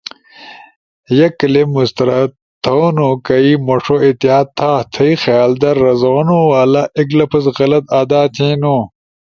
یک کلپ مسترد تھونو کئی مݜو احتیاط تھا تھئی خیال در رزونو والا ایک لفظ غلط آدا تھینو،